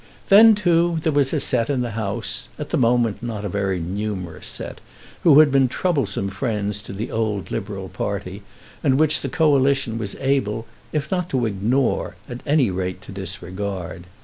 Then, too, there was a set in the House, at the moment not a very numerous set, who had been troublesome friends to the old Liberal party, and which the Coalition was able, if not to ignore, at any rate to disregard.